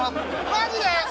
マジで！？